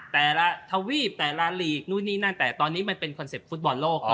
แต่ละทวีปแต่ละลีกนู่นนี่นั่นแต่ตอนนี้มันเป็นคอนเซ็ปต์ฟุตบอลโลก